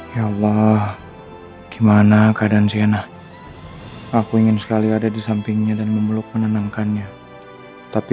ya allah gimana keadaan sih enak aku ingin sekali ada di sampingnya dan memeluk menenangkannya tapi